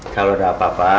kalau ada apa apa